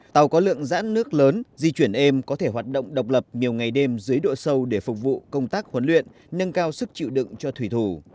tàu có lượng dãn nước lớn di chuyển êm có thể hoạt động độc lập nhiều ngày đêm dưới độ sâu để phục vụ công tác huấn luyện nâng cao sức chịu đựng cho thủy thủ